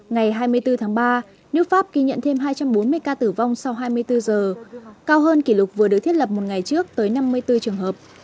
ngày hai mươi bốn tháng ba nước pháp ghi nhận thêm hai trăm bốn mươi ca tử vong sau hai mươi bốn giờ cao hơn kỷ lục vừa được thiết lập một ngày trước tới năm mươi bốn trường hợp